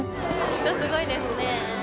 人すごいですね。